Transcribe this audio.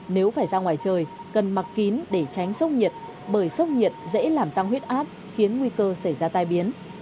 nếu phải ra ngoài trời cần mặc kín để tránh sốc nhiệt bởi sốc nhiệt dễ làm tăng huyết áp khiến nguy cơ xảy ra tai biến